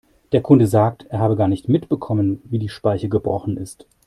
Der Kunde sagt, er habe gar nicht mitbekommen, wie die Speiche gebrochen ist.